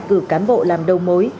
cử cán bộ làm đầu mối